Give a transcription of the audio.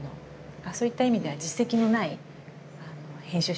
そういった意味では実績のない編集者だったのではい。